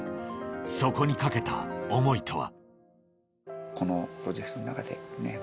そこに懸けた思いとは？